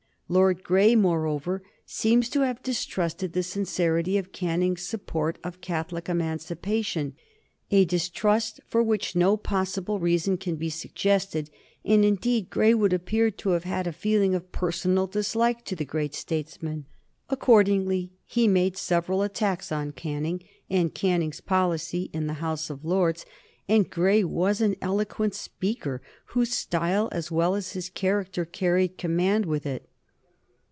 Lord Grey, moreover, seems to have distrusted the sincerity of Canning's support of Catholic emancipation, a distrust for which no possible reason can be suggested; and, indeed, Grey would appear to have had a feeling of personal dislike to the great statesman. Accordingly he made several attacks on Canning and Canning's policy in the House of Lords, and Grey was an eloquent speaker, whose style as well as his character carried command with it.